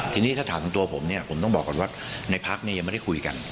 ทีนี้ถ้าถามตัวผมเนี่ยผมต้องบอกก่อนว่าในพักเนี่ยยังไม่ได้คุยกัน